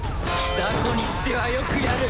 雑魚にしてはよくやる。